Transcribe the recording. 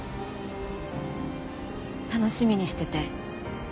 楽しみにしてて。